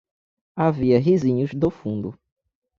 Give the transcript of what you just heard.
Havia risinhos do fundo.